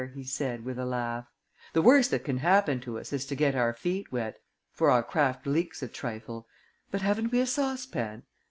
he said, with a laugh. "The worst that can happen to us is to get our feet wet, for our craft leaks a trifle. But haven't we a saucepan?